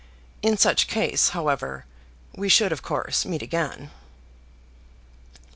In such case, however, we should of course meet again."